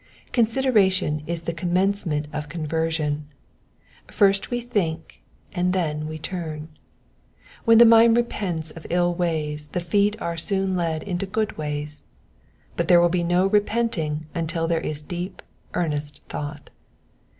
Consideration is the com mencement of conversion : first we think and then we turn. When the mind repents of ill ways the feet are soon led into good ways ; but there will be no repenting until there is deep, earnest thought.